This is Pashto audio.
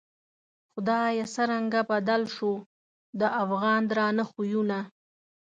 خدایه څرنگه بدل شوو، د افغان درانه خویونه